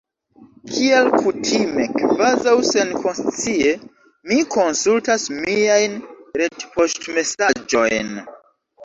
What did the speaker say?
Kiel kutime, kvazaŭ senkonscie, mi konsultas miajn retpoŝtmesaĝojn.